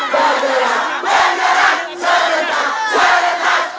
bagi serentak serentak serentak